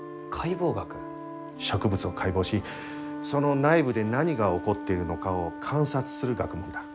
植物を解剖しその内部で何が起こっているのかを観察する学問だ。